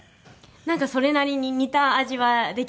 なんかそれなりに似た味はできましたね。